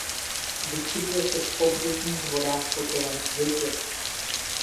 Vyskytuje se v pobřežních vodách po celém světě.